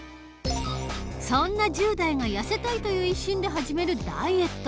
そんな１０代がやせたいという一心で始めるダイエット。